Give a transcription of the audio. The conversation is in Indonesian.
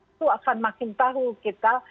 itu akan makin tahu kita